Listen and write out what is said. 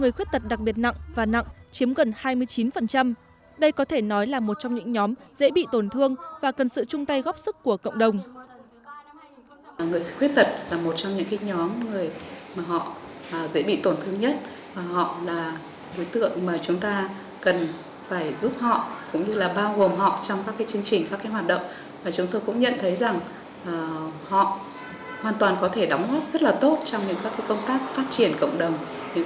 người khuyết tật đặc biệt nặng và nặng chiếm gọn đây có thể nói là một trong những nhóm dễ bị tổn thương và cần sự chung tay góp sức của cộng đồng